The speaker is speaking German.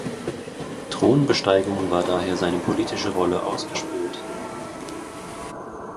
Thronbesteigung war daher seine politische Rolle ausgespielt.